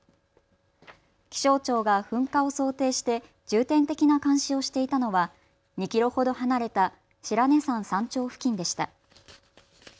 気象庁は噴火を想定して重点的な監視をしていたのは２キロほど離れた白根山山頂付近でした。